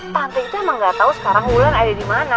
tante itu emang gak tau sekarang wulan ada dimana